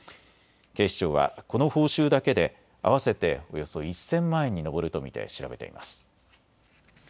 警視庁はこの報酬だけで合わせておよそ１０００万円に上ると見て調べています。